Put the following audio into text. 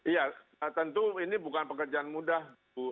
iya tentu ini bukan pekerjaan mudah